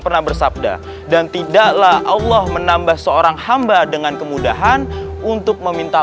pernah bersabda dan tidaklah allah menambah seorang hamba dengan kemudahan untuk meminta